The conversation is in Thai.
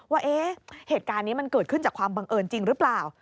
ว่าเหตุการณ์นี้มันเกิดขึ้นจากความบังเอิญจริงหรือเปล่า